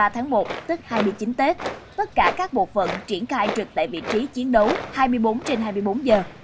hai mươi tháng một tức hai mươi chín tết tất cả các bộ phận triển khai trực tại vị trí chiến đấu hai mươi bốn trên hai mươi bốn giờ